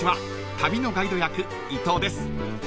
旅のガイド役伊藤です］